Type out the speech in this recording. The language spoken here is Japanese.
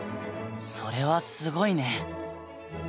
それはすごいね。